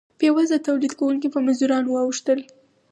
بیوزله تولید کوونکي په مزدورانو واوښتل.